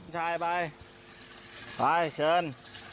ชายไปไปเชิญ